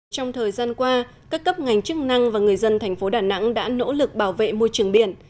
trong thời gian qua các cấp ngành chức năng và người dân thành phố đà nẵng đã nỗ lực bảo vệ môi trường biển